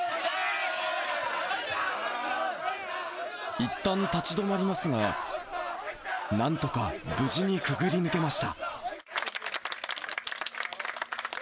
いったん立ち止まりますが、なんとか無事にくぐり抜けました。